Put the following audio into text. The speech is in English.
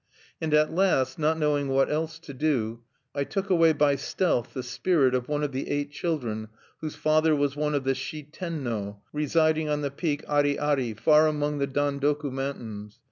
"And at last, knowing not what else to do, I took away by stealth [the spirit?] of one of the eight children whose father was one of the Shi Tenno(3), residing on the peak Ari ari, far among the Dandoku mountains.